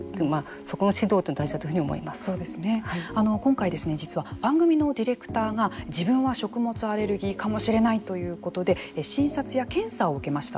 そこの指導というのは今回、実は番組のディレクターが自分は食物アレルギーかもしれないということで診察や検査を受けました。